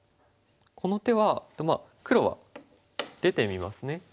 この手は黒は出てみますね。